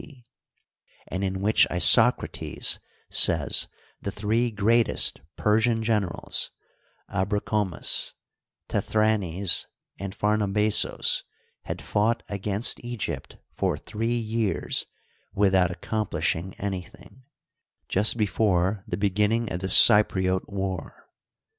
C, and in which Isocrates says the three greatest Persian generals — Abrokomas, Tethranes, and Phamabazos — had fought against Egypt for three years without accomplish ing anything, just before the beginning of the Cypriote war.